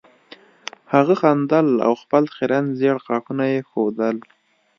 هغه خندل او خپل خیرن زیړ غاښونه یې ښودل